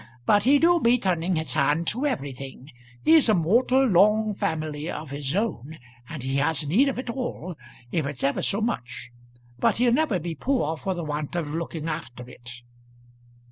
But he do be turning his hand to everything. He's a mortal long family of his own, and he has need of it all, if it's ever so much. But he'll never be poor for the want of looking after it."